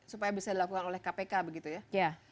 supaya bisa dilakukan oleh kpk begitu ya